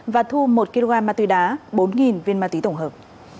và thu một kg ma túy đá bốn viên ma túy tổng hợp